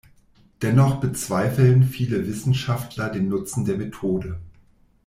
Dennoch bezweifeln viele Wissenschaftler den Nutzen der Methode.